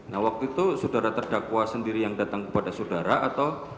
nah waktu itu saudara terdakwa sendiri yang datang kepada saudara atau